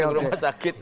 masa berumah sakit